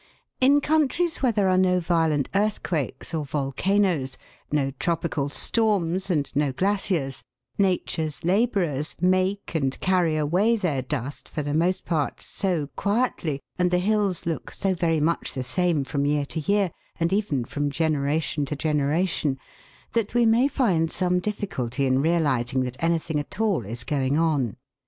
IN countries where there are no violent earthquakes or volcanoes, no tropical storms, and no glaciers, Nature's labourers make and carry away their " dust," for the most part, so quietly, and the hills look so very much the same from year to year, and even from generation to generation, that we may find some difficulty in realising that anything at all is going on.